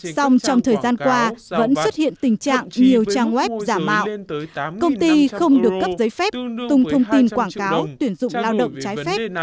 xong trong thời gian qua vẫn xuất hiện tình trạng nhiều trang web giả mạo công ty không được cấp giấy phép tung thông tin quảng cáo tuyển dụng lao động trái phép